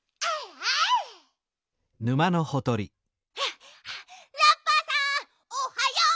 はあはあラッパーさんおはよう！